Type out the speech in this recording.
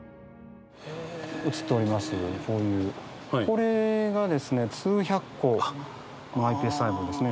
これがですね数百個のｉＰＳ細胞ですね。